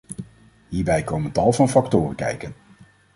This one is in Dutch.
Hierbij komen tal van factoren kijken.